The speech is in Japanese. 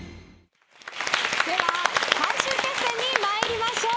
では最終決戦に参りましょう。